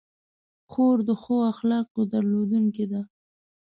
خور د ښو اخلاقو درلودونکې ده.